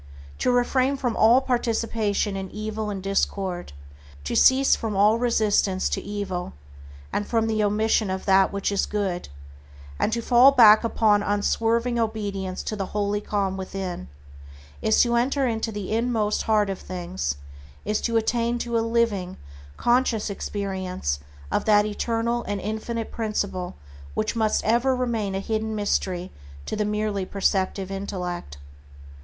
To refrain from all participation in evil and discord; to cease from all resistance to evil, and from the omission of that which is good, and to fall back upon unswerving obedience to the holy calm within, is to enter into the inmost heart of things, is to attain to a living, conscious experience of that eternal and infinite principle which must ever remain a hidden mystery to the merely perceptive intellect.